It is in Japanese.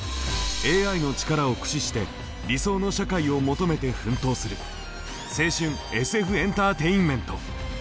ＡＩの力を駆使して理想の社会を求めて奮闘する青春ＳＦエンターテインメント！